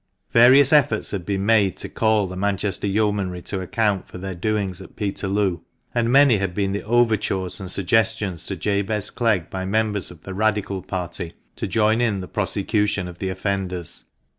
Various efforts had been made to call the Manchester Yeomanry to account for their doings at Peterloo, and many had been the overtures and suggestions to Jabez Clegg by members of the Radical party to join in the prosecution of the offenders.